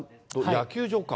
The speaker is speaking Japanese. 野球場か。